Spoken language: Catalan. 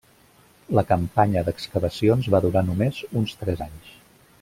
La campanya d'excavacions va durar només uns tres anys.